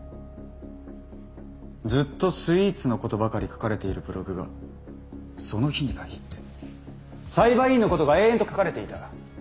ずっとスイーツのことばかり書かれているブログがその日に限って裁判員のことが延々と書かれていた。